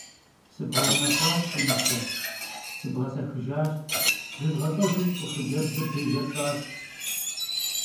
Sıbğeunexhuaş, si nıse, sıbğesexıjjaş, zızğelh'ejju sp'ı si xhıcebzır dêle pş'aş.